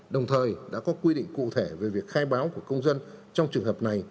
đồng thời đã có quy định cụ thể về việc khai báo của công dân trong trường hợp này